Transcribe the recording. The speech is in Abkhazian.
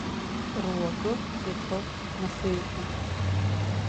Руакы ихы нахеикит.